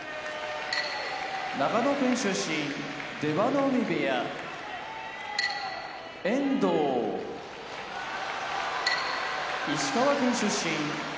長野県出身出羽海部屋遠藤石川県出身追手風部屋